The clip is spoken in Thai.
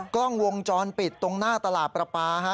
กล้องวงจรปิดตรงหน้าตลาดประปาฮะ